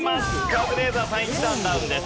カズレーザーさん１段ダウンです。